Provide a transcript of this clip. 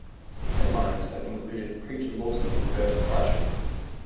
Headliners have included Preacher Lawson and Bert Kreischer.